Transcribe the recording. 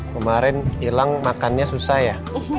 kemarin hilang makannya susah ya